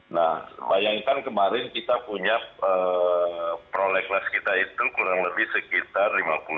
nah bayangkan kemarin kita punya prolegnas kita itu kurang lebih sekitar lima puluh sembilan